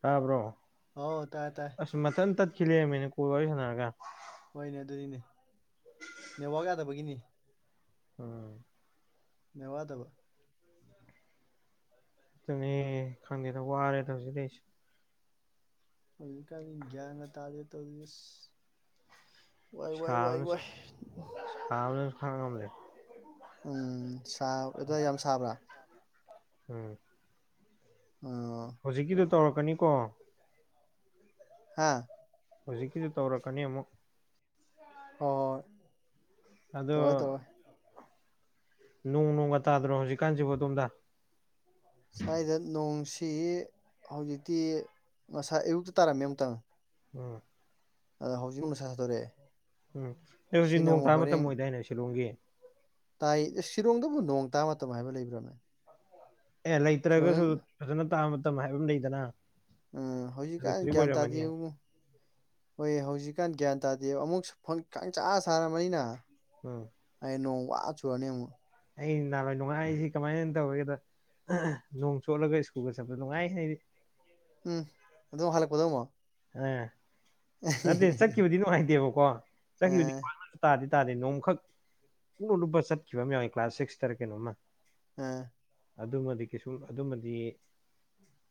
ꯇꯥꯕ꯭ꯔꯣ ꯑꯧ ꯇꯥꯏ ꯇꯥꯏ ꯑꯁ ꯃꯊꯟ ꯇꯠꯈꯤ ꯂꯩꯔꯝꯃꯦꯅꯦ ꯀꯣꯜ ꯋꯥꯔꯤ ꯁꯥꯟꯅꯔꯒ ꯍꯣꯏꯅꯦ ꯑꯗꯨꯗꯤꯅꯦ ꯅꯦꯠꯋꯥꯛ ꯌꯥꯗꯕꯒꯤꯅꯤ ꯎꯝ ꯅꯦꯠꯋꯥꯛ ꯌꯥꯗꯕ ꯑꯗꯨꯅꯦ ꯈꯪꯗꯦꯗꯥ ꯋꯥꯔꯦꯗꯥ ꯍꯧꯖꯤꯛ ꯂꯩꯁꯦ ꯍꯧꯖꯤꯛꯀ ꯒ꯭ꯌꯥꯟꯒ ꯇꯥꯗꯦ ꯇꯧꯏꯕꯁ ꯋꯥꯏ ꯋꯥꯏ ꯋꯥꯏ ꯁꯥꯕꯅ ꯋꯥꯏ ꯁꯥꯕꯅ ꯈꯥꯡ ꯉꯝꯗ꯭ꯔꯦ ꯎꯝ ꯁꯥ ꯑꯗ꯭ꯋꯥꯏ ꯌꯥꯝ ꯁꯥꯕ꯭ꯔ ꯎꯝ ꯑꯣ ꯍꯧꯖꯤꯛꯀꯤꯗꯣ ꯇꯧꯔꯛꯀꯅꯤꯀꯣ ꯍꯥꯥ ꯍꯧꯖꯤꯛꯀꯤꯗꯣ ꯇꯧꯔꯛꯀꯅꯤ ꯑꯃꯨꯛ ꯍꯣꯏ ꯇꯧꯔꯣꯏ ꯑꯗꯣ ꯇꯧꯔꯣꯏ ꯅꯣꯡ ꯅꯣꯡꯒ ꯇꯥꯗ꯭ꯔꯣ ꯍꯧꯖꯤꯛꯀꯥꯟꯁꯤꯕꯨ ꯑꯗꯣꯝꯗ ꯁ꯭ꯋꯥꯏꯗ ꯅꯣꯡꯁꯤ ꯍꯧꯖꯤꯛꯇꯤ ꯉꯁꯥꯏ ꯑꯌꯨꯛꯇ ꯇꯥꯔꯝꯃꯦ ꯑꯃꯨꯛꯇꯪ ꯎꯝ ꯑꯗ ꯍꯧꯖꯤꯛ ꯅꯨꯁꯥ ꯁꯥꯗꯣꯔꯛꯑꯦ ꯎꯝ ꯑꯩ ꯍꯧꯖꯤꯛ ꯁꯤꯅ ꯅꯣꯡ ꯑꯃꯨꯛ ꯇꯥ ꯍꯣꯔꯦꯟ ꯃꯇꯝ ꯑꯣꯏꯗꯥꯏꯅꯦ ꯁꯤꯂꯣꯡꯒꯤ ꯇꯥꯏ ꯁꯤꯔꯣꯡꯗꯕꯨ ꯅꯣꯡ ꯇꯥ ꯃꯇꯝ ꯍꯥꯏꯕ ꯂꯩꯕ꯭ꯔꯥꯅꯦ ꯑꯦ ꯁꯤꯂꯣꯡꯗ ꯂꯩꯇ꯭ꯔꯒꯁꯨ ꯐꯖꯅ ꯇꯥꯕ ꯃꯇꯝ ꯍꯥꯏꯕ ꯑꯃ ꯂꯩꯗꯅ ꯎꯝ ꯑꯗꯨ ꯍꯧꯖꯤꯛꯀꯥꯟ ꯍꯧꯖꯤꯛ ꯒ꯭ꯌꯥꯟ ꯑꯣꯏꯔꯝꯃꯅꯤ ꯇꯥꯗꯦꯉꯣ ꯍꯣꯏ ꯍꯧꯖꯤꯛꯀꯥꯟ ꯒ꯭ꯌꯥꯟ ꯇꯗꯦ ꯑꯃꯨꯛ ꯐꯡ ꯀꯪꯆꯥ ꯁꯥꯔꯃꯅꯤꯅ ꯎꯝ ꯑꯩ ꯅꯣꯡ ꯋꯥ ꯆꯨꯔꯅꯤ ꯑꯃꯨꯛ ꯑꯩ ꯅꯍꯥꯟꯋꯥꯏ ꯅꯨꯡꯉꯥꯏꯔꯤꯁꯤ ꯀꯃꯥꯏꯅ ꯇꯧꯒꯦꯗ ꯅꯣꯡ ꯆꯣꯠꯂꯒ ꯁ꯭ꯀꯨꯜꯒ ꯆꯠꯄꯗꯣ ꯅꯨꯡꯉꯥꯏ ꯑꯩꯗꯤ ꯎꯝ ꯑꯗꯣ ꯍꯜꯂꯛꯄꯗꯣ ꯑꯃꯨꯛ ꯑꯦ ꯅꯠꯇꯦ ꯆꯠꯈꯤꯕꯗꯤ ꯅꯨꯡꯉꯥꯏꯇꯦꯕꯀꯣ ꯆꯠꯈꯤꯕꯗꯤ ꯑꯥ ꯄꯛꯅꯁꯨ ꯇꯗꯦ ꯇꯗꯦ ꯅꯣꯡꯃꯈꯛ ꯄꯨꯝꯂꯨꯞ ꯂꯨꯞꯄ ꯆꯠꯈꯤꯕ ꯑꯃ ꯌꯥꯎꯏꯤ ꯀ꯭ꯂꯥꯁ ꯁꯤꯛꯁꯇꯔꯥ ꯀꯩꯅꯣꯝꯃ ꯑ ꯑꯗꯨꯃꯗꯤ ꯀꯩꯁꯨꯝ ꯑꯗꯨꯃꯗꯤ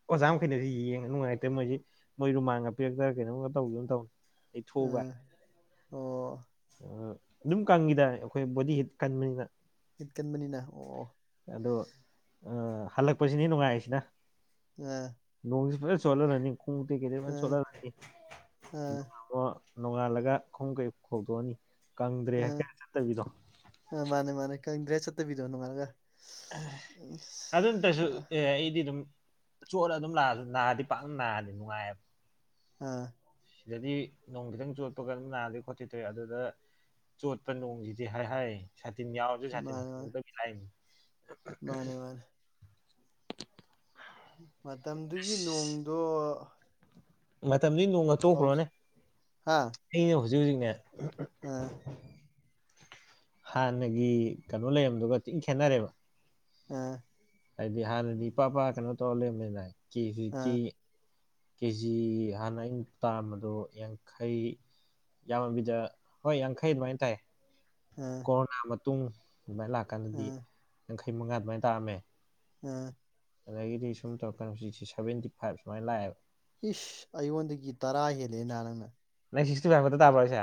ꯑꯣꯖꯥ ꯃꯈꯩꯅꯁꯨ ꯌꯦꯡꯉ ꯅꯨꯡꯉꯥꯏꯇꯦ ꯃꯣꯏꯁꯤ ꯃꯣꯏ ꯔꯨꯃꯥꯟꯒ ꯄꯤꯔꯛꯇꯅ ꯀꯩꯅꯣꯝꯒ ꯇꯧꯈꯤꯒꯨꯝꯒ ꯇꯧ ꯇꯩꯊꯣꯛꯑꯣ ꯑꯥ ꯀꯥꯏꯅ ꯑꯣ ꯑꯗꯨꯝ ꯀꯪꯉꯤꯗ ꯑꯩꯈꯣꯏ ꯕꯣꯗꯤ ꯍꯤꯠ ꯀꯟꯕꯅꯤꯅ ꯍꯤꯠꯀꯟꯕꯅꯤꯅ ꯑꯣ ꯑꯗꯣ ꯍꯜꯂꯛꯄꯁꯤꯅꯤ ꯅꯨꯡꯉꯥꯏꯔꯤꯁꯤꯅ ꯑꯥ ꯅꯣꯡꯖ ꯐꯖꯟ ꯆꯣꯠꯍꯜꯂꯅꯤ ꯈꯣꯡꯉꯨꯞ ꯇꯩꯀꯩꯗꯩ ꯐꯟ ꯆꯣꯠꯍꯜꯂꯅꯤ ꯑ ꯑꯗꯣ ꯅꯣꯡꯉꯥꯜꯂꯒ ꯈꯣꯡ ꯀꯩ ꯐꯧꯗꯣꯛꯑꯅꯤ ꯀꯪꯗ꯭ꯔꯦ ꯑꯥ ꯍꯏꯔ ꯆꯠꯇꯕꯤꯗꯣ ꯑꯥ ꯃꯥꯅꯦ ꯃꯥꯅꯦ ꯀꯪꯗ꯭ꯔꯦ ꯍꯥꯏꯔ ꯆꯠꯇꯕꯤꯗꯣ ꯅꯣꯡꯉꯥꯜꯂꯒ ꯑꯗꯨꯇꯁꯨ ꯑꯥ ꯑꯩꯗꯤ ꯑꯗꯨꯝ ꯆꯣꯠꯂ ꯑꯗꯨꯝ ꯂꯥꯛꯑꯁꯨ ꯅꯗꯤ ꯄꯥꯛꯅ ꯅꯗꯦ ꯅꯨꯡꯉꯥꯏꯌꯦꯕ ꯑꯥ ꯁꯤꯗꯗꯤ ꯅꯣꯡ ꯈꯤꯇꯪ ꯆꯣꯠꯄꯒ ꯑꯗꯨꯝ ꯅꯗꯣꯏ ꯈꯣꯠꯇꯣꯏ ꯇꯧꯏ ꯑꯗꯨꯗ ꯆꯣꯠꯄ ꯅꯣꯡꯁꯤꯗꯤ ꯍꯥꯏ ꯍꯥꯏ ꯁꯥꯇꯤꯟ ꯌꯥꯎꯔꯁꯨ ꯁꯥꯇꯤꯟ ꯃꯥꯅꯦ ꯈꯟꯗꯣꯛꯇꯕꯤ ꯂꯥꯛꯏꯅꯤ ꯃꯥꯅꯦ ꯃꯥꯅꯦ ꯑ ꯃꯇꯝꯗꯨꯏ ꯅꯣꯡꯒ ꯇꯣꯛꯈ꯭ꯔꯣꯅꯦ ꯍꯥ ꯑꯩꯅ ꯍꯨꯖꯤꯛ ꯍꯨꯖꯤꯛꯅꯦ ꯑꯥ ꯍꯥꯟꯅꯒꯤ ꯀꯩꯅꯣ ꯂꯩꯔꯝꯕꯗꯨꯒ ꯊꯤ ꯈꯦꯠꯅꯔꯦꯕ ꯑ ꯍꯥꯏꯗꯤ ꯍꯥꯟꯅꯗꯤ ꯏꯄꯥ ꯄ ꯀꯩꯅꯣ ꯇꯧꯔ ꯂꯩꯔꯝꯕꯅꯤꯅ [unintelligible] ꯇꯤ ꯑꯥ ꯀꯦꯖꯤ ꯍꯥꯟꯅ ꯑꯩꯅ ꯇꯥꯔꯝꯕꯗꯣ ꯌꯥꯡꯈꯩ ꯌꯥꯝꯃꯕꯤꯗ ꯍꯣꯏ ꯌꯥꯡꯈꯩ ꯑꯗꯨꯃꯥꯏꯅ ꯇꯥꯏ ꯑꯥ ꯀꯣꯔꯣꯅ ꯃꯇꯨꯡ ꯑꯗꯨꯃꯥꯏ ꯂꯥꯛꯀꯟꯗꯗꯤ ꯑꯥ ꯌꯥꯡꯈꯩ ꯃꯉꯥ ꯑꯗꯨꯃꯥꯏꯅ ꯇꯥꯔꯝꯃꯦ ꯎꯝ ꯑꯗꯒꯤꯗꯤ ꯁꯨꯝ ꯇꯧꯔꯀꯥꯟꯗ ꯍꯧꯖꯤꯛꯁꯤ ꯁꯕꯦꯟꯇꯤ ꯐꯥꯏꯚ ꯁꯨꯃꯥꯏꯅ ꯂꯛꯑꯦꯕ ꯏꯁ ꯑꯩꯉꯣꯟꯗꯒꯤ ꯇꯔꯥ ꯍꯦꯜꯂꯦꯅ ꯅꯪꯅ ꯅꯪ ꯁꯤꯁꯇꯤ ꯐꯥꯏꯚ ꯈꯇꯥ ꯇꯕ꯭ꯔꯣ ꯍꯥꯏꯁꯦ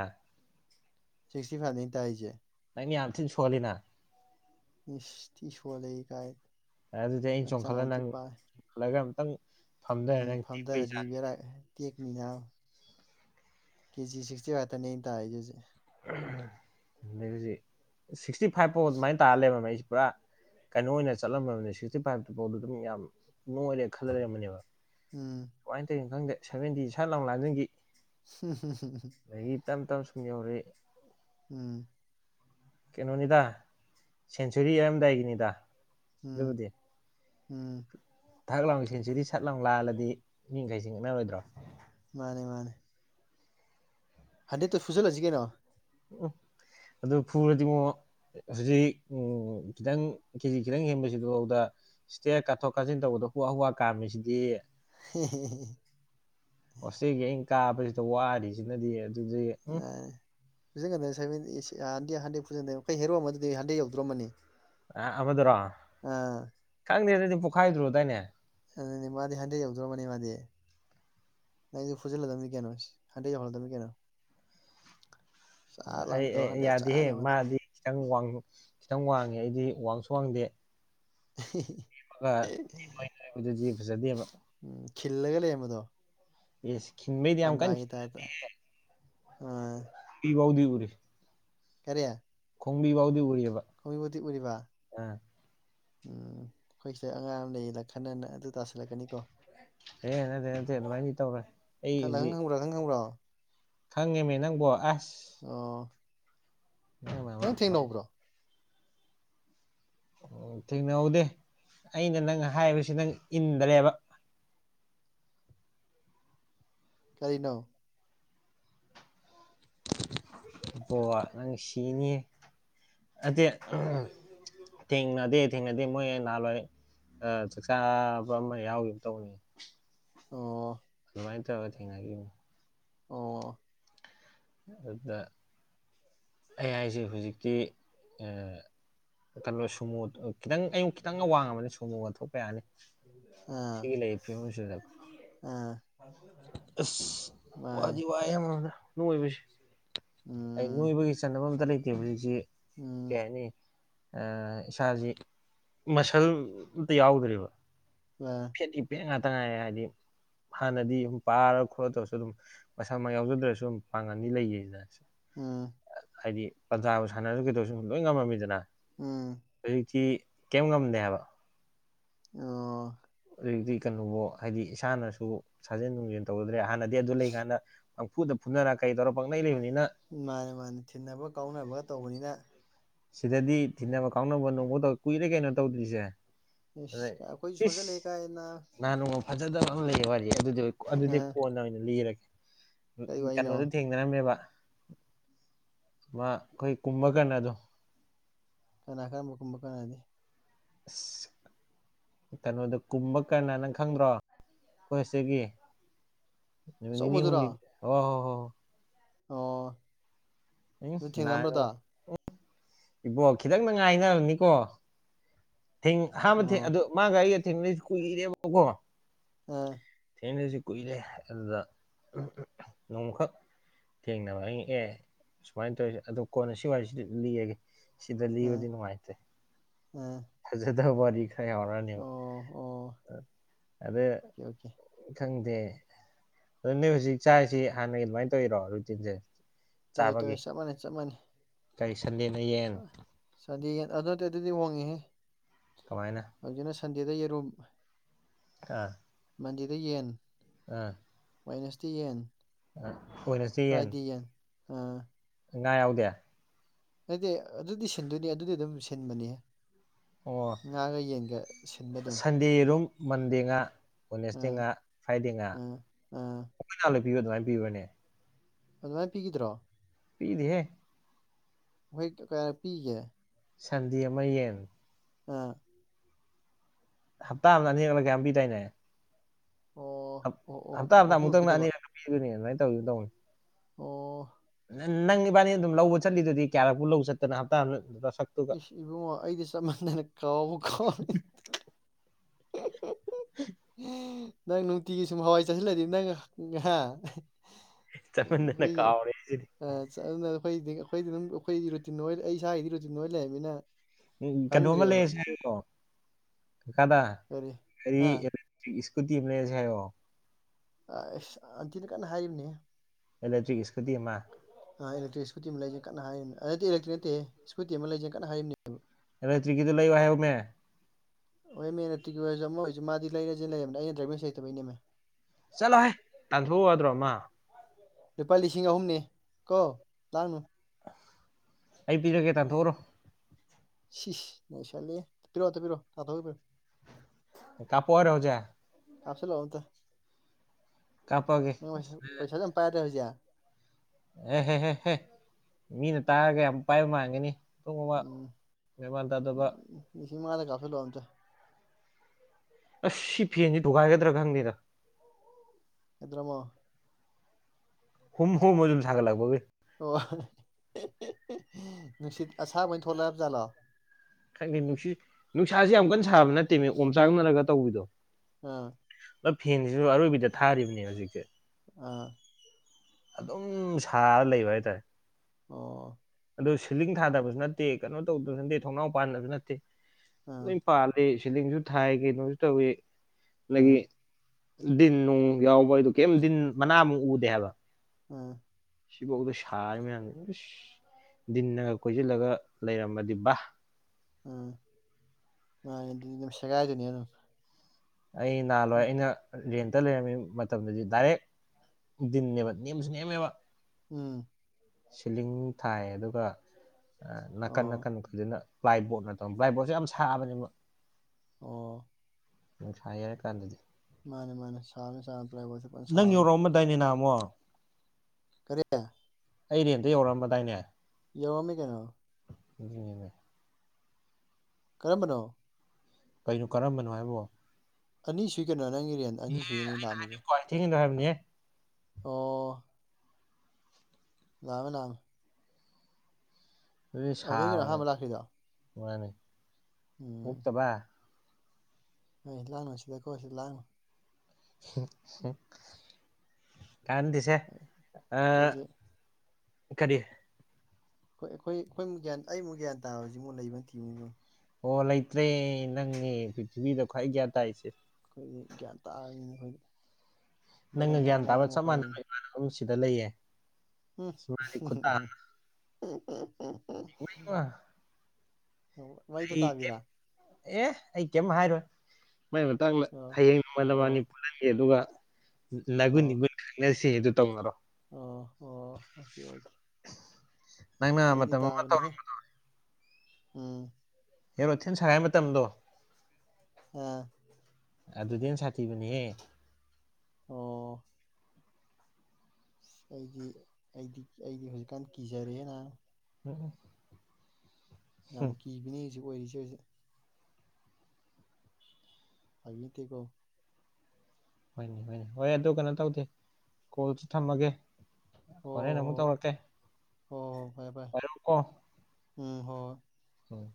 ꯁꯤꯛꯁꯇꯤ ꯐꯥꯏꯚ ꯅꯦ ꯏꯩ ꯇꯥꯏꯁꯦ ꯅꯪ ꯌꯥꯝ ꯊꯤꯅ ꯁꯣꯜꯂꯤꯅ ꯏꯤꯁ ꯊꯤ ꯁꯣꯜꯂꯦ ꯑꯩ ꯀꯥꯏ ꯑꯗꯨꯗꯤ ꯑꯩꯅ ꯆꯣꯡꯈꯠꯂ ꯅꯪ ꯈꯠꯂꯒ ꯑꯝꯇꯪ ꯐꯝꯊꯔ ꯎꯝ ꯅꯪ ꯇꯦꯛꯄꯩ ꯐꯝꯗꯔꯗꯤ ꯆꯥꯡ ꯕꯦꯔꯥ ꯇꯦꯛꯅꯤ ꯅꯥꯕ ꯀꯦꯖꯤ ꯁꯤꯛꯁꯇꯤ ꯐꯥꯏꯐꯇꯅꯦ ꯑꯩꯅꯥ ꯇꯥꯔꯤꯁꯦ ꯍꯧꯖꯤꯛ ꯑꯗꯩ ꯍꯧꯖꯤꯛ ꯁꯤꯛꯁꯇꯤ ꯐꯥꯏꯐ ꯐꯥꯎ ꯑꯗꯨꯃꯥꯏꯅ ꯇꯥꯔ ꯂꯩꯔꯝꯃꯕꯅꯦ ꯑꯩꯁꯦ ꯄꯨꯔꯥ ꯀꯩꯅꯣ ꯑꯣꯏꯅ ꯆꯠꯂꯝꯃꯕꯅꯦ ꯁꯤꯛꯁꯇꯤ ꯐꯥꯏꯚꯇꯨ ꯐꯥꯎꯗ ꯑꯗꯨꯝ ꯌꯥꯝ ꯅꯣꯏꯔꯦ ꯈꯜꯂ ꯂꯩꯔꯝꯕꯅꯦꯕ ꯍꯧꯖꯤꯛ ꯎꯝ ꯀꯃꯥꯏꯅ ꯇꯧꯔꯤꯅꯣ ꯈꯪꯗꯦ ꯁꯦꯚꯦꯟꯇꯤ ꯁꯠ ꯂꯥꯎ ꯂꯥꯟꯖꯟꯒꯤ ꯍꯨꯝꯍꯨꯝꯍꯨꯝ ꯇꯝ ꯇꯝ ꯁꯨꯝ ꯌꯧꯔꯛꯑ ꯎꯝ ꯀꯩꯅꯣꯅꯤꯗ ꯁꯦꯟꯆꯨꯔꯤ ꯌꯩꯔꯝꯗꯥꯏꯒꯤꯅꯤꯗ ꯎꯝ ꯑꯗꯨꯕꯨꯗꯤ ꯎꯝ ꯊꯛ ꯂꯥꯎꯅ ꯁꯦꯟꯆꯨꯔꯤ ꯁꯠ ꯂꯥꯎ ꯂꯥꯜꯂꯗꯤ ꯃꯤꯈꯩꯁꯦ ꯉꯛꯅꯔꯣꯏꯗ꯭ꯔꯣ ꯃꯥꯅꯦ ꯃꯥꯅꯦ ꯍꯟꯗꯔꯦꯠ ꯇꯨ ꯐꯨꯖꯟꯂꯁꯤ ꯀꯩꯅꯣ ꯎ ꯑꯗꯨ ꯐꯨꯔꯗꯤ ꯉꯣ ꯑꯁꯤꯖꯤꯛ ꯎ ꯈꯤꯇꯪ ꯀꯦꯖꯤ ꯈꯤꯇꯪ ꯍꯦꯟꯕꯁꯤꯐꯥꯎꯗ ꯁꯇꯦꯌꯔ ꯀꯥꯊꯣꯛ ꯀꯥꯁꯤꯟ ꯇꯧꯕꯗ ꯍꯨꯋꯥ ꯍꯨꯋꯥ ꯀꯥꯝꯃꯤꯁꯤꯗꯤ ꯍꯣꯁꯇꯦꯜꯒꯤ [unintelligible] ꯑꯩꯅ ꯀꯥꯕꯁꯤꯗ ꯋꯥꯔꯤꯁꯤꯅꯗꯤ ꯑꯗꯨꯗꯤ ꯎꯝ [unintelligible] ꯈꯣꯏ ꯍꯦꯔꯣ ꯑꯃꯗꯨꯗꯤ ꯍꯟꯗ꯭ꯔꯦꯠ ꯌꯧꯗ꯭ꯔꯣꯝꯅꯤ ꯑꯥ ꯑꯃꯗꯨꯔꯣ ꯈꯪꯗꯦꯅꯦ ꯗꯨ ꯄꯣꯛꯈꯥꯏꯗꯣꯔꯗꯥꯏꯅꯦ ꯑꯗꯨꯗꯤ ꯃꯥꯗꯤ ꯍꯟꯗꯔ꯭ꯦꯗ ꯌꯧꯗ꯭ꯔꯣꯝꯃꯅꯤ ꯃꯥꯗꯤ ꯅꯪꯁꯨ ꯐꯨꯖꯤꯜꯂꯗꯕꯅꯤ ꯀꯩꯅꯣ ꯏꯁ ꯍꯟꯗꯔ꯭ꯦꯗ ꯌꯧꯍꯜꯂꯗꯕꯅꯤ ꯀꯩꯅꯣ ꯆꯥ ꯂꯥꯎꯅ ꯑꯩ ꯇꯧꯔ ꯑꯩ ꯍꯟꯗ꯭ꯔꯦꯠ ꯆꯥ ꯌꯥꯗꯦꯍꯦ ꯌꯧꯍꯜꯂꯗꯕꯅꯤ ꯃꯥꯗꯤ ꯈꯤꯇꯪ ꯋꯥꯡꯉꯨ ꯈꯤꯇꯪ ꯋꯥꯡꯉꯦ ꯑꯩꯗꯤ ꯋꯥꯡꯁꯨ ꯋꯥꯡꯗꯦ ꯍꯤ ꯍꯦ ꯍꯦ [unintelligible] ꯐꯖꯗꯦꯕ ꯎꯝ ꯈꯤꯜꯂꯒ ꯂꯩꯔꯝꯕꯗꯣ ꯌꯦꯁ ꯈꯤꯟꯕꯩꯗꯤ ꯌꯥꯝ ꯀꯟ ꯄꯥꯟꯗꯥꯒꯤ ꯈꯤꯟꯕ ꯇꯥꯏꯞꯇ ꯅꯠꯇꯦꯍꯦ ꯑꯥ [inaudible] ꯎꯔꯤ ꯀꯔꯤ ꯈꯣꯡꯕꯤ ꯕꯥꯎꯗꯤ ꯎꯔꯤ ꯍꯥꯏꯕ ꯀꯣꯏꯕꯨꯗꯤ ꯎꯔꯤꯕ ꯎꯝ ꯑꯩꯈꯣꯏ ꯁꯤꯗ ꯑꯉꯥꯡ ꯑꯃ ꯂꯩꯌꯦ ꯂꯈꯟ ꯑꯅ ꯑꯗꯨ ꯇꯥꯁꯤꯜꯂꯛꯀꯅꯤꯀꯣ ꯍꯦ ꯅꯠꯇꯦ ꯅꯠꯇꯦ ꯑꯗꯨꯃꯥꯏꯅꯗꯤ ꯇꯧꯔꯣꯏ ꯑꯩ ꯂꯥꯈꯪ ꯍꯧꯖꯤꯛ ꯈꯪꯕ꯭ꯔꯣ ꯂꯥꯈꯪ ꯈꯪꯕ꯭ꯔꯣ ꯈꯪꯉꯦꯃꯤ ꯅꯪꯕꯣ ꯑꯁ ꯑꯣ ꯅꯪ ꯊꯦꯡꯅꯧꯕ꯭ꯔꯣ ꯎ ꯊꯦꯡꯅꯍꯧꯗꯦ ꯑꯩꯅ ꯅꯪ ꯍꯥꯏꯕꯁꯤ ꯅꯪ ꯏꯟꯗꯔꯦꯕ ꯀꯔꯤꯅꯣ ꯑꯣ ꯅꯪ ꯁꯤꯅꯤꯌꯦ ꯑꯗꯦ ꯑꯍ ꯊꯦꯡꯅꯗꯦ ꯊꯦꯡꯅꯗꯦ ꯃꯣꯏ ꯅꯍꯥꯟꯋꯥꯏ ꯑꯥ ꯆꯥꯛꯆꯥꯥꯕ ꯑꯃ ꯌꯥꯎꯒꯤꯒꯨꯝ ꯇꯧꯕꯅꯤ ꯑꯣ ꯑꯗꯨꯃꯥꯏ ꯇꯧꯔ ꯊꯦꯡꯅꯒꯤꯕꯅꯦ ꯑꯣ ꯑꯗꯨꯗ ꯑꯩ ꯍꯥꯏꯁꯦ ꯍꯧꯖꯤꯛꯇꯤ ꯑꯦ ꯀꯩꯅꯣ ꯁꯨꯃꯣ ꯑꯥ ꯈꯤꯇꯪ ꯑꯌꯨꯛ ꯈꯤꯇꯪꯒ ꯋꯥꯡꯉꯝꯃꯗꯤ ꯁꯨꯃꯣꯒ ꯊꯣꯛꯄ ꯌꯥꯅꯤ ꯑꯥ ꯁꯤꯒꯤ ꯂꯩ ꯐꯤꯕꯝꯁꯤꯗ ꯑꯥ ꯑꯁ ꯃꯥꯅꯦ ꯋꯥꯗꯤ ꯋꯥꯏꯌꯦ ꯑꯝꯔꯣꯝꯗ ꯅꯣꯏꯕꯁꯤ ꯑꯩ ꯎꯝ ꯅꯣꯏꯕꯒꯤ ꯆꯟꯅꯕꯝ ꯑꯝꯇ ꯂꯩꯇꯦꯕ ꯍꯧꯖꯤꯛꯁꯤ ꯀꯩ ꯎꯝ ꯍꯥꯏꯅꯤ ꯏꯁꯥꯁꯤ ꯃꯁꯜ ꯑꯝꯇ ꯌꯥꯎꯗ꯭ꯔꯦꯕ ꯋꯥ ꯐꯦꯠꯀꯤ ꯐꯦꯠ ꯉꯥꯛ ꯇꯉꯥꯏꯔꯦ ꯍꯥꯏꯗꯤ ꯍꯥꯟꯅꯗꯤ ꯁꯨꯝ ꯄꯥꯔ ꯈꯣꯠꯂ ꯇꯧꯔꯁꯨ ꯑꯗꯨꯝ ꯃꯁꯜꯃꯛ ꯌꯥꯎꯖꯗ꯭ꯔꯁꯨ ꯑꯗꯨꯝ ꯄꯥꯡꯒꯟꯗꯤ ꯂꯩꯌꯦꯖꯤꯗ ꯎꯝ ꯍꯥꯏꯗꯤ ꯄꯟꯖꯥꯕꯨ ꯁꯥꯟꯅꯔꯁꯨ ꯀꯩꯗꯧꯁꯨ ꯂꯣꯏ ꯉꯝꯃꯝꯃꯤꯗꯅ ꯎꯝ ꯍꯧꯖꯤꯛꯇꯤ ꯀꯩꯝ ꯉꯝꯗꯦ ꯍꯥꯏꯕ ꯑꯣ ꯍꯧꯖꯤꯛꯇꯤ ꯀꯩꯅꯣꯕꯣ ꯍꯥꯏꯗꯤ ꯏꯁꯥꯅꯁꯨ ꯁꯥꯖꯦꯟ ꯅꯨꯡꯖꯦꯟ ꯇꯧꯅꯗ꯭ꯔꯦ ꯍꯥꯟꯅꯗꯤ ꯑꯗꯨ ꯂꯩꯀꯥꯟꯗ ꯄꯪꯐꯨꯗ ꯐꯨ ꯅꯔ ꯀꯩ ꯇꯧꯔ ꯄꯪꯂꯩ ꯂꯩꯕꯅꯤ ꯃꯥꯅꯦ ꯃꯥꯅꯦ ꯊꯤꯟꯅꯕ ꯀꯥꯎꯅꯕꯒ ꯇꯧꯕꯅꯤꯅ ꯁꯤꯗꯗꯤ ꯊꯤꯟꯅꯕ ꯀꯥꯎꯅꯕ ꯅꯣꯡꯐꯧ ꯇꯧ ꯀꯨꯏꯔꯦ ꯀꯩꯅꯣ ꯇꯧꯗ꯭ꯔꯤꯁꯦ ꯑꯗ ꯏꯁ ꯑꯩꯈꯣꯏꯁꯨ ꯁꯣꯟꯖꯜꯂꯛꯑꯦ ꯏꯁ ꯀꯥꯏꯅ ꯅꯍꯥꯟ ꯅꯣꯡꯃ ꯐꯖꯗꯕ ꯑꯃ ꯂꯩꯌꯦ ꯋꯥꯔꯤ ꯑꯗꯨꯗꯤ ꯑꯗꯨꯗꯤ ꯑꯥ ꯀꯣꯟꯅ ꯑꯣꯏꯅ ꯂꯤꯔꯒꯦ ꯀꯔꯤ ꯋꯥꯔꯤꯅꯣ ꯀꯩꯅꯣꯗꯣ ꯊꯦꯡꯅꯔꯝꯃꯦꯕ ꯃꯥ ꯈꯣꯏ ꯀꯨꯝꯕ ꯀꯔꯅꯗꯣ ꯀꯅꯥ ꯀꯔꯝꯕꯀꯨꯝꯕ ꯀꯔꯅꯗꯤ ꯑꯁ [unintelligible] ꯀꯩꯅꯣꯗ ꯀꯨꯝꯕ ꯀꯔꯅꯥ ꯅꯪ ꯈꯪꯗ꯭ꯔꯣ ꯈꯣꯏ ꯍꯣꯁꯇꯦꯜꯒꯤ ꯅꯨꯃꯤꯠ ꯅꯤꯅꯤ ꯑꯆꯧꯕꯗꯨꯔꯣ ꯍꯨꯝꯅꯤ ꯑꯣ ꯍꯣ ꯍꯣ ꯑꯣ ꯎꯝ ꯑꯗꯨ ꯅꯥꯔꯣ ꯊꯦꯡꯅꯔꯝꯕꯗꯣ ꯏꯕꯣ ꯈꯤꯇꯪꯗ ꯉꯥꯏꯅꯕꯅꯤꯀꯣ ꯊꯦꯡ ꯑꯍꯥꯟꯕ ꯑꯣ ꯊꯦꯡ ꯑꯗꯨ ꯃꯥꯒ ꯑꯩꯒ ꯊꯦꯡꯅ ꯀꯨꯏꯔꯦꯕꯀꯣ ꯑ [unintelligible] ꯅꯁꯨ ꯀꯨꯏꯔꯦ ꯑꯗꯨꯗ ꯅꯣꯡꯃꯈꯛ ꯊꯦꯡꯅꯕ ꯑꯩꯅ ꯑꯦ ꯁꯨꯃꯥꯏꯅ ꯇꯧꯋꯦ ꯑꯣ ꯀꯣꯟꯅ ꯁꯤ ꯋꯥꯔꯤꯁꯤꯗꯤ ꯂꯤꯔꯒꯦ ꯁꯤꯗ ꯑꯥ ꯂꯤꯕꯗꯤ ꯅꯨꯉꯥꯏꯇꯦ ꯑꯥ ꯐꯖꯗꯕ ꯋꯥꯔꯤ ꯈ ꯈ ꯌꯥꯎꯔꯅꯤꯕ ꯑꯣ ꯑꯣ ꯑꯗ ꯑꯣꯀꯦ ꯑꯣꯀꯦ ꯈꯪꯗꯦ ꯑꯣ ꯅꯣꯏ ꯍꯧꯖꯤꯛ ꯆꯥꯢꯁꯤ ꯍꯥꯟꯅꯒꯤ ꯗꯨꯃꯥꯏ ꯇꯧꯔꯤꯔꯣ ꯔꯨꯇꯤꯟꯁꯦ ꯇꯧꯏ ꯇꯧꯢ ꯆꯞ ꯃꯥꯟꯅꯩ ꯆꯞ ꯃꯥꯟꯅꯩ ꯀꯩ ꯁꯟꯗꯦꯅ ꯌꯦꯟ ꯑꯗꯨꯗꯤ ꯑꯗꯨꯗꯤ ꯋꯪꯉꯤꯍꯦ ꯀꯃꯥꯏꯅ ꯁꯟꯗꯦꯗ ꯌꯦꯔꯨꯝ ꯑꯥ ꯃꯟꯗꯦꯗ ꯌꯦꯟ ꯑ ꯋꯥꯏꯅꯁꯇꯦ ꯌꯦꯟ ꯋꯦꯅꯁꯗꯦ ꯌꯦꯟ ꯑ ꯉꯥ ꯌꯥꯥꯎꯗꯦ ꯅꯗꯦ ꯑꯗꯨꯗꯤ ꯁꯤꯟꯗꯣꯏꯅꯤ ꯑꯗꯨꯗꯤ ꯑꯗꯨꯝ ꯁꯤꯟꯕꯅꯤꯍꯦ ꯑꯣ ꯉꯥꯒ ꯌꯦꯟꯒ ꯁꯤꯟꯕ ꯑꯗꯨꯝ ꯁꯟꯗꯦ ꯌꯦꯔꯨꯝ ꯃꯟꯗꯦ ꯉꯥ ꯋꯦꯗꯅꯦꯁꯗꯦ ꯑꯥ ꯉꯥ ꯐ꯭ꯔꯥꯏꯗꯦ ꯉꯥ ꯑꯥ ꯑꯥ ꯈꯣꯢ [unintelligible] ꯄꯤꯕ ꯗꯨꯃꯥꯏ ꯄꯤꯕ꯭ꯔꯅꯦ ꯑꯗꯨꯃꯥꯏ ꯄꯤꯒꯤꯗ꯭ꯔꯣ ꯄꯤꯗꯦꯍꯦ ꯍꯣꯏ ꯀ [unintelligible] ꯄꯤꯒꯦ ꯁꯟꯗꯦ ꯑꯃ ꯌꯦꯟ ꯑ ꯍꯞꯇꯥ ꯑꯃꯅ ꯑꯅꯤꯔꯛꯂ ꯀꯌꯥꯝ ꯄꯤꯗꯥꯏꯅꯦ ꯑꯣ ꯑꯣ ꯑꯣ ꯍꯞꯇꯥ ꯑꯝꯗ ꯑꯍꯨꯝꯂꯛ ꯑꯃꯨꯛꯇꯪꯂ ꯄꯤꯗꯕ ꯑꯅꯤꯔꯛꯂ ꯄꯤꯕꯅꯦ ꯑꯗꯨꯃꯥꯏ ꯇꯧꯒꯤꯒꯨꯝ ꯇꯧꯕꯅꯤ ꯑꯣ ꯅꯪ ꯏꯕꯥꯥꯅꯤ ꯑꯗꯨꯝ ꯂꯧꯕ ꯆꯠꯂꯤꯗꯨꯗꯤ ꯀꯌꯥꯔꯛꯄꯨ ꯂꯧ ꯆꯠꯇꯅ ꯍꯞꯇꯥ ꯑꯝꯗ ꯏꯁ ꯏꯕꯨꯡꯉꯣ ꯑꯩꯗꯤ ꯆꯃꯟꯗꯅ ꯀꯥꯎꯕꯨ ꯀꯥꯎꯏ ꯅꯪ ꯅꯨꯡꯇꯤꯒꯤ ꯁꯨꯝ ꯍꯋꯥꯏ ꯆꯁꯤꯜꯂꯗꯤ ꯅꯪ ꯍꯥ ꯆꯠꯃꯟꯗꯅ ꯈꯣꯏꯒꯤ ꯀꯥꯎꯔꯦ ꯑꯩ ꯁꯤꯗꯤ ꯑ ꯆ [unintelligible] ꯈꯣꯏꯗꯤ ꯑꯈꯣꯏꯗꯤ ꯑꯗꯨꯝ ꯑꯈꯣꯏꯗꯤ ꯔꯨꯇꯤꯟ ꯑꯩ ꯏꯁꯥꯒꯤꯗꯤ ꯔꯨꯇꯤꯟ ꯑꯣꯏꯅ ꯂꯩꯔꯅꯤꯅ ꯎꯝ ꯀꯩꯅꯣꯝꯃ ꯂꯩꯔꯁꯦ ꯍꯥꯏꯀꯣ ꯀꯀꯥꯗ ꯀꯔꯤ ꯒꯔꯤ ꯍꯥ ꯁ꯭ꯀꯨꯇꯤ ꯑꯃ ꯂꯩꯔꯁꯦ ꯍꯥꯏꯌꯣ ꯑꯥꯏꯁ ꯑꯗꯨꯗꯤ ꯀꯟꯅ ꯍꯥꯏꯔꯤꯕꯅꯦꯍꯦ ꯑꯦꯂꯦꯛꯇ꯭ꯔꯤꯛ ꯁ꯭ꯀꯨꯇꯤ ꯑꯃ ꯑꯩ ꯏꯁꯀꯨꯇꯤ ꯑꯃ ꯂꯩꯁꯦ ꯀꯟꯅ ꯍꯥꯏꯔꯤꯕꯅꯦ ꯏꯂꯦꯇ꯭ꯔꯤꯛ ꯅꯠꯇꯦꯍꯦ ꯏꯁꯀꯨꯇꯤ ꯑꯃ ꯂꯩꯖꯦ ꯀꯟꯅ ꯍꯥꯏꯔꯤꯝꯅꯦ ꯏꯂꯦꯇ꯭ꯔꯤꯛꯒꯤꯗꯨ ꯂꯩꯌꯣ ꯍꯥꯏꯌꯣꯃꯤ ꯍꯣꯏ ꯃꯦ ꯏꯂꯦꯇ꯭ꯔꯤꯛꯀꯤ ꯑꯣꯏꯔꯁꯨ ꯑꯃ ꯑꯣꯏꯔꯁꯨ ꯃꯥꯗꯤ ꯂꯩꯔꯁꯦ ꯂꯩꯔꯖꯅ ꯂꯩꯔꯕꯅꯦ ꯑꯩꯅ ꯗ꯭ꯔꯥꯏꯕꯤꯟ ꯂꯩꯇꯕꯩꯅꯦꯃꯤ ꯆꯠꯂꯣ ꯍꯥꯏ ꯇꯥꯟꯊꯣꯛꯎ ꯌꯥꯗ꯭ꯔꯣ ꯑꯃ ꯂꯨꯄꯥ ꯂꯤꯁꯤꯡ ꯑꯍꯨꯝꯅꯤ ꯀꯣ ꯂꯥꯡꯅꯨ ꯑꯩ ꯄꯤꯔꯒꯦ ꯇꯥꯟꯊꯣꯛꯎꯔꯣ ꯁꯤꯏꯁ ꯅꯩꯁꯟꯂꯦ ꯄꯤꯔꯣ ꯑꯇ ꯄꯤꯔꯣ ꯇꯥꯟꯊꯣꯛꯎꯒꯦ ꯄꯤꯔꯣ ꯀꯥꯞꯄꯣ ꯍꯥꯏꯔꯣ ꯍꯧꯖꯤꯛ ꯀꯥꯞꯁꯤꯂꯛꯑꯣ ꯑꯝꯇ ꯀꯥꯞꯄꯛꯑꯒꯦ ꯄꯩꯁꯥꯁꯨ ꯌꯥꯝ ꯄꯥꯏꯔꯗꯥꯏ ꯍꯧꯖꯤꯛ ꯑꯦ ꯍꯦ ꯍꯦ ꯍꯦ ꯃꯤꯅ ꯇꯥꯔꯒ ꯌꯥꯝ ꯄꯥꯏꯕ ꯃꯥꯟꯒꯤꯅꯤ ꯑꯗꯨꯒꯨꯝꯕ ꯃꯦꯟꯃꯥꯟ ꯇꯥꯗꯕ ꯁꯤꯡꯃꯪꯉꯥꯗ ꯀꯥꯞꯁꯤꯟꯂꯣ ꯑꯝꯇ ꯑꯁ ꯁꯤ ꯐꯦꯟꯁꯤ ꯊꯨꯒꯥꯏꯒꯗ꯭ꯔꯥ ꯈꯪꯗꯦꯗ ꯀꯩꯗ꯭ꯔꯣꯃꯣ ꯍꯨꯝ ꯍꯝ ꯃ ꯁꯨꯝ ꯁꯥꯒꯠꯂꯛꯄꯒꯤ ꯑꯣ ꯅꯨꯡꯁꯤꯠ ꯑꯁꯥꯕ ꯑꯣꯏꯅ ꯊꯣꯛꯂꯛꯑꯕ ꯖꯥꯠꯂꯣ ꯈꯪꯗꯦ ꯅꯨꯡꯁꯤꯠ ꯅꯨꯡꯁꯥꯥꯁꯦ ꯌꯥꯝ ꯀꯟꯅ ꯁꯥꯕ ꯅꯠꯇꯦꯃꯤ ꯑꯣꯝ ꯆꯥꯡꯅꯔꯒ ꯇꯧꯕꯤꯗꯣ ꯑꯥ ꯂꯣꯏ ꯐꯦꯟꯁꯤꯁꯨ ꯑꯔꯣꯏꯕꯤꯗ ꯊꯥꯔꯤꯕꯅꯦ ꯍꯧꯖꯤꯛꯁꯦ ꯑꯥ ꯑꯗꯨꯝ ꯁꯥꯔ ꯂꯩꯕ ꯍꯥꯏꯇꯥꯔꯦ ꯑꯣ ꯑꯗꯨꯣ ꯁꯤꯂꯤꯡ ꯊꯥꯗꯕꯁꯨ ꯅꯠꯇꯦ ꯀꯩꯅꯣ ꯇꯧꯗꯕꯁꯨ ꯅꯠꯇꯦ ꯊꯣꯡꯅꯥꯎ ꯄꯥꯟꯗꯕꯁꯨ ꯅꯠꯇꯦ ꯑꯥ ꯂꯣꯏ ꯄꯥꯜꯂꯤ ꯁꯤꯂꯤꯡꯁꯨ ꯊꯥꯏ ꯀꯩꯅꯣꯁꯨ ꯇꯧꯋꯤ ꯑꯗꯒꯤ ꯑꯥ ꯗꯤꯟ ꯅꯨꯡ ꯌꯥꯎꯕ ꯍꯥꯏ ꯗꯨ ꯀꯩꯝ ꯗꯤꯟ ꯃꯅꯥꯃꯨꯛ ꯎꯗꯦ ꯍꯥꯏꯕ ꯎꯝ ꯁꯤꯕꯥꯎꯗ ꯁꯥꯔꯤ ꯃꯌꯥꯝꯁꯦ ꯎꯁ ꯗꯤꯟꯅꯒ ꯀꯣꯏꯁꯤꯜꯂꯒ ꯂꯩꯔꯝꯃꯗꯤ ꯕꯥ ꯎꯝ ꯃꯥꯅꯦ ꯗꯤꯟ ꯁꯦꯒꯥꯏꯗꯣꯏꯅꯤ ꯑꯗꯨꯝ ꯑꯩ ꯅꯥꯜꯂꯣꯏ ꯑꯩꯅ ꯔꯦꯟꯇ ꯂꯩꯔꯝꯃꯤ ꯃꯇꯝꯗꯗꯤ ꯗꯥꯏꯔꯦꯛ ꯗꯤꯟꯅꯦꯕ ꯅꯦꯝꯁꯨ ꯅꯦꯝꯃꯦꯕ ꯎꯝ ꯁꯤꯂꯤꯡ ꯊꯥꯏ ꯑꯗꯨꯒ ꯅꯥꯀꯟ ꯑꯣ ꯅꯥꯀꯟ ꯐꯖꯅ ꯄꯂꯥꯏꯕꯣꯔꯠꯗ ꯅꯇꯧꯕꯅꯤ ꯕ꯭ꯂꯥꯏꯕꯣꯔꯗꯁꯦ ꯌꯥꯝ ꯁꯥꯕꯅꯦꯕ ꯑꯣ ꯅꯨꯡꯁꯥ ꯌꯩꯔ ꯀꯥꯟꯗꯗꯤ ꯃꯥꯅꯦ ꯃꯥꯅꯦ ꯁꯥꯖꯨ ꯁꯥꯕꯅꯦ ꯄ꯭ꯂꯥꯕꯣꯔꯠꯁꯨ ꯁꯥꯕꯅꯤ ꯃꯨꯑꯣ ꯀꯔꯤ ꯑꯩ ꯔꯦꯟꯗ ꯌꯧꯔꯛꯑꯝ ꯃꯗꯥꯏꯅꯦ ꯌꯧꯔꯛꯑꯃꯤ ꯀꯩꯅꯣ ꯑꯗꯨꯅꯦꯃꯤ ꯀꯔꯝꯕꯅꯣ ꯀꯩꯅꯣ ꯀꯔꯝꯕꯅꯣ ꯍꯥꯏꯕꯣ ꯑꯅꯤ ꯁꯨꯏ ꯀꯩꯅꯣ ꯅꯪꯒꯤ ꯔꯦꯟ ꯑꯅꯤ ꯁꯨꯏꯅꯤ ꯂꯥꯛꯑꯝꯃꯤꯁꯦ ꯌꯦ ꯑꯣ ꯂꯥꯛꯑꯝꯃꯦ ꯂꯥꯛꯑꯝꯃꯦ ꯑꯗꯨꯗꯤ ꯑꯗꯨꯗꯩ ꯀꯩꯅꯣ ꯁꯥꯕꯅꯦ ꯑꯍꯥꯟꯕ ꯂꯥꯛꯈ꯭ꯔꯤꯗꯣ ꯃꯥꯅꯦ ꯑꯣꯛꯇꯕ ꯍꯦ ꯂꯥꯡꯅꯨ ꯁꯤꯗ ꯀꯣ ꯁꯤꯗ ꯂꯥꯡꯅꯨ [unintelligible] ꯀꯥꯟꯗꯦꯁꯦ ꯑꯥ ꯑꯩꯈꯣꯏꯁꯦ ꯀꯔꯤ ꯈꯣꯏ ꯑꯩꯈꯣꯏ ꯑꯩꯈꯣꯏꯃꯨꯛ ꯒ꯭ꯌꯥꯟ ꯑꯩꯃꯨꯛ ꯒ꯭ꯌꯥꯟ ꯇꯥꯕꯁꯤꯃꯨꯛ ꯂꯩꯕ [unintelligible] ꯑꯣ ꯂꯩꯇ꯭ꯔꯦ ꯅꯪꯅꯦ ꯄ꯭ꯔꯤꯊꯤꯕꯤꯗ ꯈ꯭ꯋꯥꯏ ꯒ꯭ꯌꯥꯟ ꯇꯥꯏꯁꯦ ꯑꯈꯣꯏꯗꯤ ꯒ꯭ꯌꯥꯟ ꯇꯥꯕ ꯃꯤꯅꯤ ꯈꯣꯏꯗꯤ ꯅꯪꯒ ꯒ꯭ꯌꯥꯟ ꯇꯥꯕ ꯆꯞ ꯃꯥꯟꯅꯅꯕ ꯏꯃꯥꯟꯅꯕ ꯑꯃ ꯁꯤꯗ ꯂꯩꯌꯦ ꯃꯥꯗꯤ ꯎꯝ ꯏꯃꯩ ꯃꯥ ꯎꯝ ꯃꯩꯗꯣ ꯑꯩ ꯇꯥꯕꯤꯔꯥ ꯑꯦ ꯑꯩ ꯀꯩꯝ ꯍꯥꯏꯔꯣꯏ ꯃꯥꯏ ꯃꯇꯥꯡꯗ ꯑꯣ ꯍꯌꯦꯡ ꯅꯣꯡꯃ ꯑꯣ ꯅꯕꯅꯤ ꯄꯨꯜꯍꯟꯒꯦ ꯑꯗꯨꯒ ꯅꯒꯨꯟ ꯑꯣ ꯏꯒꯨꯟ ꯈꯪꯅꯁꯦ ꯗꯨ ꯇꯧꯅꯔꯣ ꯑꯣ ꯑꯣ ꯑꯣꯀꯦ ꯑꯣꯀꯦ ꯅꯪꯅ ꯑꯩꯗꯤ ꯃꯇꯝ ꯑꯃ ꯇꯥꯕꯅꯤꯍꯦ ꯇꯧꯔꯝꯕꯗꯣ ꯎꯝ [unintelligible] ꯊꯤꯟ ꯁꯥꯟꯅ ꯃꯇꯝꯗꯣ ꯑꯥ ꯑꯗꯨꯗꯩ ꯍꯦꯟꯅ ꯁꯥꯊꯤꯕꯅꯦꯍꯦ ꯑꯣ ꯑꯁ ꯑꯩꯗꯤ ꯑꯩꯗꯤ ꯑꯩꯗꯤ ꯍꯧꯖꯤꯛꯀꯥꯟ ꯀꯤꯖꯔꯦ ꯅꯥ ꯎꯝ ꯎꯝ ꯌꯥꯝ ꯀꯤꯕꯅꯦ ꯍꯧꯖꯤꯛ ꯑꯣꯏꯔꯤꯁꯦ ꯍꯧꯖꯤꯛ ꯐꯒꯤ ꯅꯠꯇꯦꯀꯣ ꯍꯣꯏꯅꯦ ꯍꯣꯏꯅꯦ ꯍꯣꯏ ꯑꯗꯨ ꯀꯩꯅꯣ ꯇꯧꯗꯦ ꯀꯣꯜꯁꯨ ꯊꯝꯃꯒꯦ ꯍꯣ ꯍꯣꯔꯦꯟ ꯑꯃꯨꯛ ꯇꯧꯔꯛꯀꯦ ꯍꯣ ꯍꯣ ꯐꯔꯦ ꯐꯔꯦ ꯄꯥꯏꯔꯛꯎꯀꯣ ꯎꯝ ꯍꯣꯏ ꯎꯝ